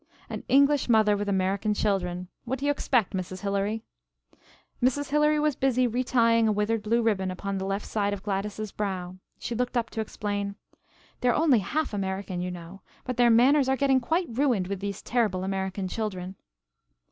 "An English mother with American children! What do you expect, Mrs. Hilary?" Mrs. Hilary was busy retying a withered blue ribbon upon the left side of Gladys' brow. She looked up to explain: "They are only half American, you know. But their manners are getting quite ruined with these terrible American children."